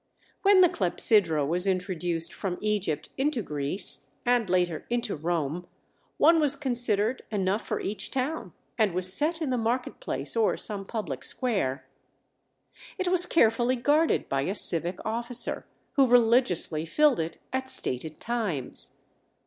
When the clepsydra was introduced from Egypt into Greece, and later into Rome, one was considered enough for each town and was set in the market place or some public square. It was carefully guarded by a civic officer, who religiously filled it at stated times.